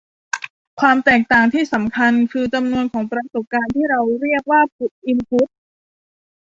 ความแตกต่างที่สำคัญ คือ จำนวนของประสบการณ์ ที่เราเรียกว่าอินพุท